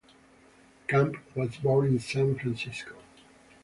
Camp was born in San Francisco.